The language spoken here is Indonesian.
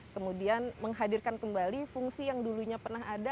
kemudian menghadirkan kembali fungsi yang dulunya pernah ada